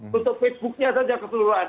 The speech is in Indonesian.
nutup facebooknya saja keseluruhan